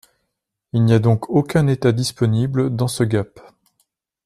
Il n'y a donc aucun état disponible dans ce gap.